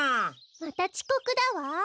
またちこくだわ。